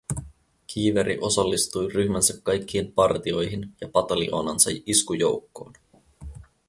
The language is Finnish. Kiiveri osallistui ryhmänsä kaikkiin partioihin ja pataljoonansa iskujoukkoon